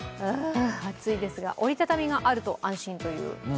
暑いですが折り畳みがあると安心という。